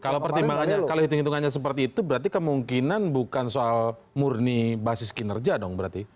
kalau pertimbangannya kalau hitung hitungannya seperti itu berarti kemungkinan bukan soal murni basis kinerja dong berarti